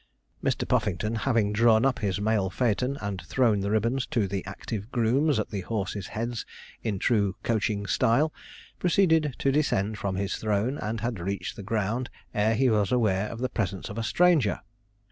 Mr. Puffington having drawn up his mail phaeton, and thrown the ribbons to the active grooms at the horses' heads in the true coaching style, proceeded to descend from his throne, and had reached the ground ere he was aware of the presence of a stranger.